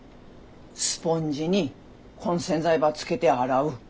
スポンジにこん洗剤ばつけて洗う。